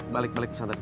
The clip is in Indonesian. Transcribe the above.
balik balik pesantren